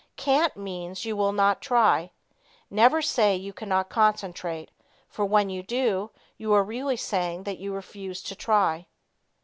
"Can't" means you will not try. Never say you cannot concentrate, for, when you do, you are really saying that you refuse to try.